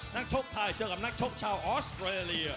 ชกไทยเจอกับนักชกชาวออสเตรเลีย